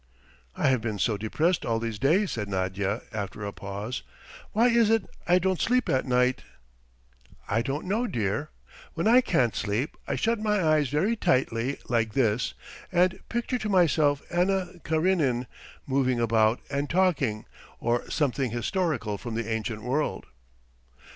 "I have been so depressed all these days," said Nadya after a pause. "Why is it I don't sleep at night!" "I don't know, dear. When I can't sleep I shut my eyes very tightly, like this, and picture to myself Anna Karenin moving about and talking, or something historical from the ancient world.